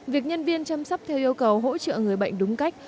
việc nhân viên chăm sóc theo yêu cầu hỗ trợ người bệnh đúng cách